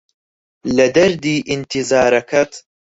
لە دەردی ئینتیزارەکەت